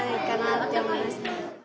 って思いました。